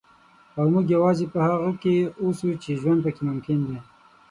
او موږ یوازې په هغه کې اوسو چې ژوند پکې ممکن دی.